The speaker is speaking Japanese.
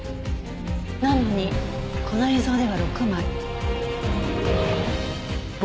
なのにこの映像では６枚。